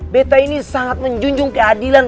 beta ini sangat menjunjung keadilan